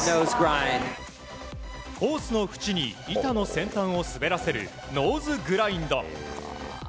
コースのふちに板の先端を滑らせるノーズグラインド。